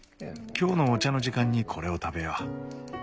今日のお茶の時間にこれを食べよう。